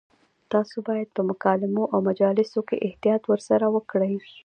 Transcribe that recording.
تاسو باید په مکالمو او مجالسو کې احتیاط ورسره وکړئ.